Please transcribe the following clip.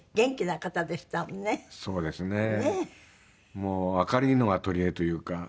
もう明るいのが取りえというか。